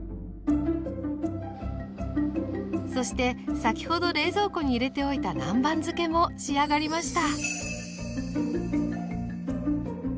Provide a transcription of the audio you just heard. そして先ほど冷蔵庫に入れておいた南蛮漬けも仕上がりました。